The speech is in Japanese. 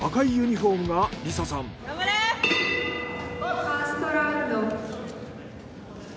ファーストラウンド。